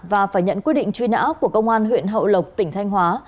và phải nhận quyết định truy nã của công an huyện hậu lộc tỉnh thanh hóa